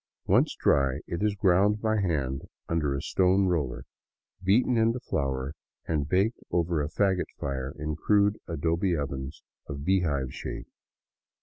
Once dry, it is ground by hand under a stone roller, beaten into flour, and baked over a fagot fire in crude adobe ovens of bee hive shape.